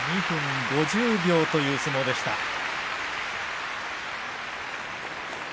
２分５０秒という相撲でした。